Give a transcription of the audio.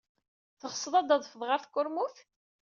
Teɣsed ad tadfed ɣer tkurmut?